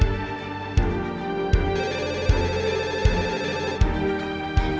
jangan jangan masalah nyariin aku